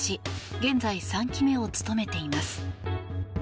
現在、３期目を務めています。